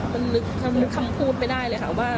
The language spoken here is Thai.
มันนึกคำพูดไม่ได้เลยค่ะว่า